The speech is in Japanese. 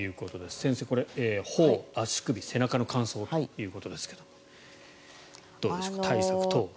先生、これは頬、足首、背中の乾燥ということですがどうでしょう。